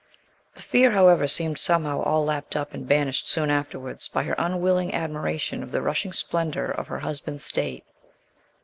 The fear, however, seemed somehow all lapped up and banished soon afterwards by her unwilling admiration of the rushing splendor of her husband's state.